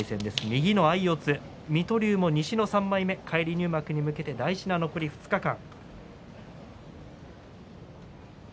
右の相四つ水戸龍も西の３枚目返り入幕に向けて大事な残り２日間。